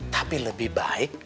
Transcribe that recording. tapi lebih baik